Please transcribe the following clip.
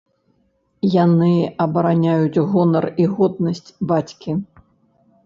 Яны абараняюць гонар і годнасць бацькі.